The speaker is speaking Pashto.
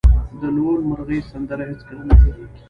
د لوون مرغۍ سندره هیڅکله نه هیریږي